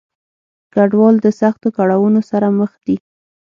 کډوال د سختو کړاونو سره مخ دي.